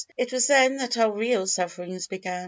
It was then that our real sufferings began.